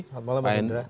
selamat malam pak hendra